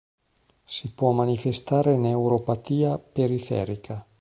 Si può manifestare neuropatia periferica.